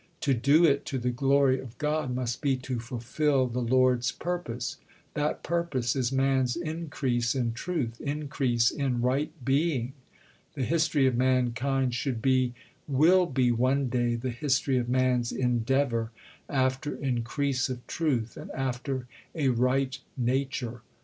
To do it "to the glory of God" must be to fulfil the Lord's purpose. That purpose is man's increase in truth, increase in right being. The history of mankind should be, will be one day, the history of man's endeavour after increase of truth, and after a right nature....